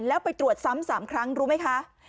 แล้วไปตรวจซ้ำ๓ครั้งรู้ไหมคะ